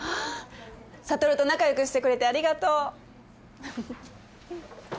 悟と仲良くしてくれてありがとう。